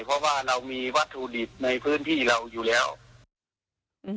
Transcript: เพราะว่าเรามีวัตถุดิบในพื้นที่เราอยู่แล้วอืม